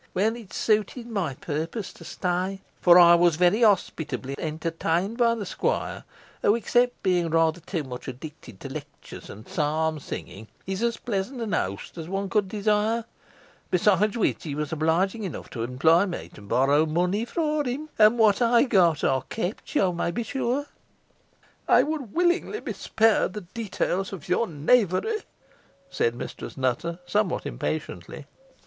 Well, it suited my purpose to stay; for I was very hospitably entertained by the squire, who, except being rather too much addicted to lectures and psalm singing, is as pleasant a host as one could desire; besides which, he was obliging enough to employ me to borrow money for him, and what I got, I kept, you may be sure." "I would willingly be spared the details of your knavery," said Mistress Nutter, somewhat impatiently.